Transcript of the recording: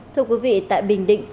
thưa quý vị tại bình định